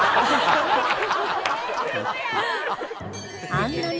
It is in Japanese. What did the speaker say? ［あんなに］